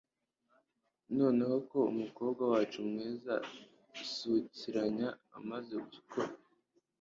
noneho ko umukobwa wacu mwiza sukiranya amaze gukura